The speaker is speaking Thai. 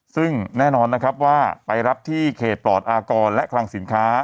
ซึ่งแน่นอนนะครับว่าไปรับที่เขตปลอดอากรและคลังสินค้า